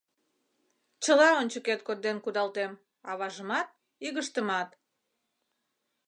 Чыла ончыкет конден кудалтем: аважымат, игыштымат...»